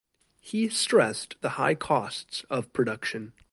He stressed the high costs of production.